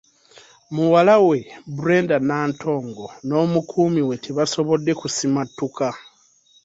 Muwala we Brenda Nantongo n’omukuumi we tebaasobodde kusimattuka.